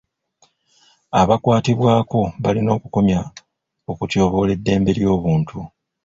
Abakwatibwako balina okukomya okutyoboola eddembe ly’obuntu.